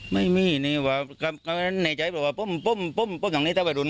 ไม่มีนี่ว่าในใจว่าปุ้มปุ้มปุ้มปุ้มอย่างนี้เต้าไปหลุน